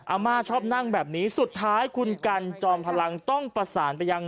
อาม่าชอบนั่งแบบนี้สุดท้ายคุณกันจอมพลังต้องประสานไปยัง